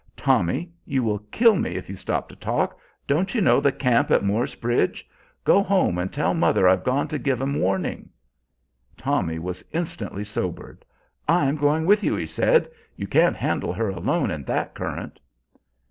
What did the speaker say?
"Tommy, you will kill me if you stop to talk! Don't you know the camp at Moor's Bridge? Go home and tell mother I've gone to give 'em warning." Tommy was instantly sobered. "I'm going with you," he said. "You can't handle her alone in that current."